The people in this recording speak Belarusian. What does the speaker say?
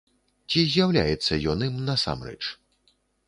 Ці з'яўляецца ён ім насамрэч?